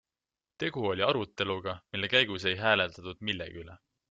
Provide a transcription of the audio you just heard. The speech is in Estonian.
Tegu oli aruteluga, mille käigus ei hääletatud millegi üle.